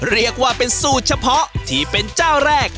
เรียกว่าเป็นสูตรเฉพาะที่เป็นเจ้าแรก